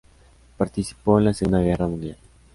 Participó en la Segunda Guerra Mundial.